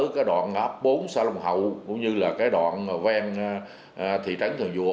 cái đoạn góp bốn xa lồng hậu cũng như là cái đoạn ven thị trấn thường duột